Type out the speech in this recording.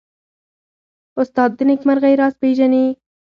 استاد د نېکمرغۍ راز پېژني.